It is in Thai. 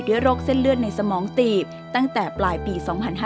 โรคเส้นเลือดในสมองตีบตั้งแต่ปลายปี๒๕๕๙